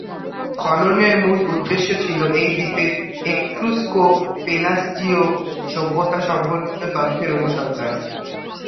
খননের মূল উদ্দেশ্য ছিল এই দ্বীপের "এট্রুস্কো-পেলাসজীয়" সভ্যতা সম্পর্কিত তথ্যের অনুসন্ধান।